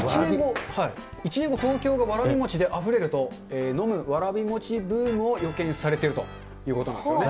１年後、東京をわらび餅であふれると、飲むわらび餅ブームを予見されているということなんですね。